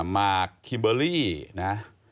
มาร์คิมเบอร์รี่นะ